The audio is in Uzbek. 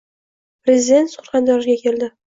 Prezident Surxondaryoga keldi